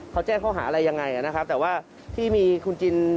เขาแจ้งเขาหาอะไรยังไงนะครับแต่ว่าที่มีคุณจิน